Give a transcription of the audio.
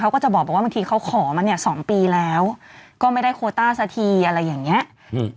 เขาก็จะบอกว่าบางทีเขาขอมาเนี้ยสองปีแล้วก็ไม่ได้โคต้าสักทีอะไรอย่างเงี้ยอืม